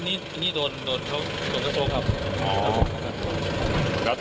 อันนี้โดนเขาครับ